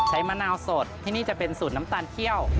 มะนาวสดที่นี่จะเป็นสูตรน้ำตาลเขี้ยว